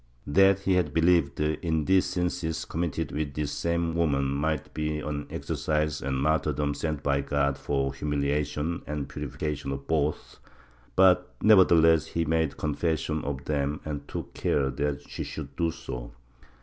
That he had believed the indecencies committed with this same woman might be an exercise and martyrdom sent by God for the humiliation and purification of both, but nevertheless he made confession of them, and took care that she should do so.